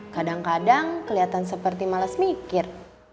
kadang kadang kelihatan seperti males mikir